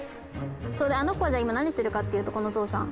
あの子は今何してるかっていうとこのゾウさん。